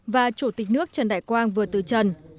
và chủ tịch nước trần đại quang vừa từ trần